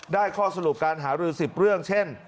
ข้อสรุปการหารือ๑๐เรื่องเช่น